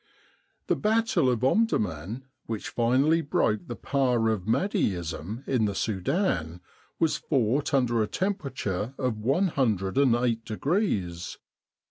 The battle of Omdurman, which finally broke the power of Mahdiism in the Sudan, was fought under a temperature of 108 degrees.